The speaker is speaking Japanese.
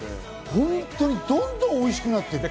本当にどんどんおいしくなってる。